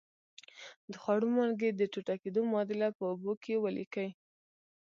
د خوړو مالګې د ټوټه کیدو معادله په اوبو کې ولیکئ.